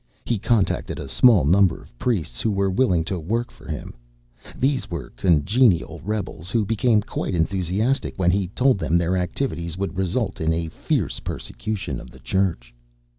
He contacted a small number of priests who were willing to work for him. These were congenital rebels who became quite enthusiastic when he told them their activities would result in a fierce persecution of the Church.